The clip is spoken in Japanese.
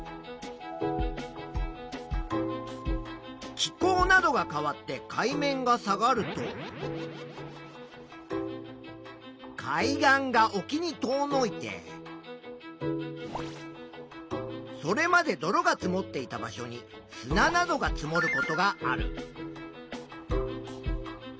気候などが変わって海面が下がると海岸がおきに遠のいてそれまで泥が積もっていた場所に砂などが積もることがある。